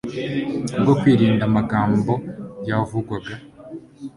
kubwo kwirinda amagambo yavugwaga?